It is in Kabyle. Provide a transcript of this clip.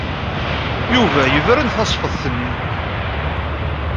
Yuba yebren tasfeḍt-nni.